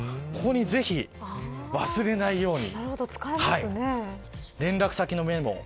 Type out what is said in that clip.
ここに、ぜひ忘れないように連絡先のメモ